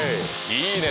いいね